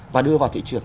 và đưa vào thị trường